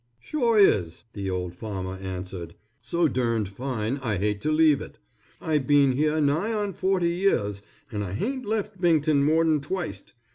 "Shore is," the old farmer answered. "So durned fine I hate tew leave it. I bean here nigh on forty years, and I hain't left Bington more'n twict.